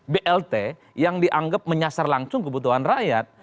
blt yang dianggap menyasar langsung kebutuhan rakyat